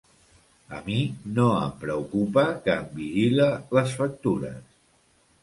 A mi no em preocupa que em vigile les factures.